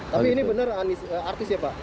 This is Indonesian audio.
tapi ini benar artis ya pak